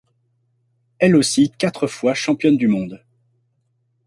Elle aussi quatre fois championne du monde.